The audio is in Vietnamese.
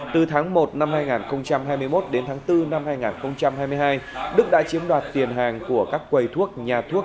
từ tháng một năm hai nghìn hai mươi một đến tháng bốn năm hai nghìn hai mươi hai đức đã chiếm đoạt tiền hàng của các quầy thuốc nhà thuốc